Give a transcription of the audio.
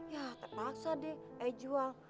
yaa tak paksa deh ae jual